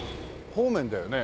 方面だよね。